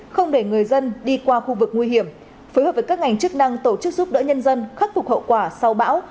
không để người dân đi qua khu vực nguy hiểm phối hợp với các ngành chức năng tổ chức giúp đỡ nhân dân khắc phục hậu quả sau bão